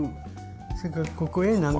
それからここへ何かを入れる。